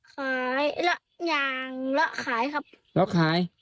ขายแล้วยางแล้วขายครับ